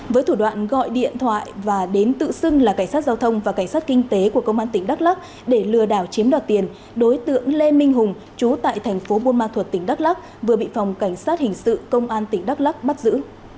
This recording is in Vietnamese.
với thủ đoạn gọi điện thoại và đến tự xưng là cảnh sát giao thông và cảnh sát kinh tế của công an tỉnh đắk lắc để lừa đảo chiếm đoạt tiền đối tượng lê minh hùng chú tại thành phố buôn ma thuật tỉnh đắk lắc vừa bị phòng cảnh sát hình sự công an tỉnh đắk lắc bắt giữ